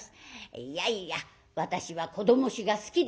「いやいや私は子ども衆が好きですからな。